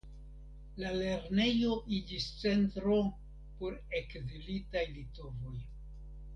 La lernejo iĝis centro por ekzilitaj litovoj.